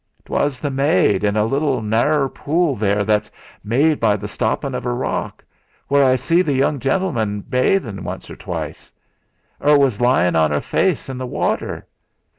"'Twas the maid, in a little narrer pool ther' that's made by the stoppin' of a rock where I see the young gentleman bathin' once or twice. 'Er was lyin' on 'er face in the watter.